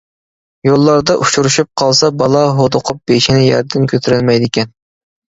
يوللاردا ئۇچۇرۇشۇپ قالسا بالا ھودۇقۇپ بېشىنى يەردىن كۆتۈرەلمەيدىكەن.